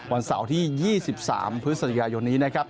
วันเสาร์ที่๒๓พฤศจิกายนนี้นะครับ